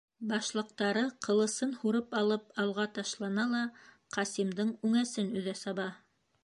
Башлыҡтары, ҡылысын һурып алып, алға ташлана ла Ҡасимдың үңәсен өҙә саба.